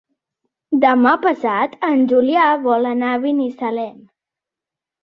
Demà passat en Julià vol anar a Binissalem.